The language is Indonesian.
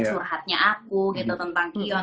curhatnya aku gitu tentang kion